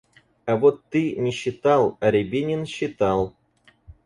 А вот ты не считал, а Рябинин считал.